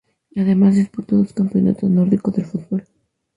Además disputó dos campeonato nórdico de fútbol.